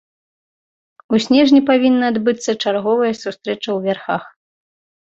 У снежні павінна адбыцца чарговая сустрэча ў вярхах.